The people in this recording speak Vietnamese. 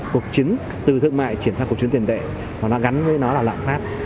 cuộc chiến từ thương mại chuyển sang cuộc chiến tiền tệ và nó gắn với nó là lạng phát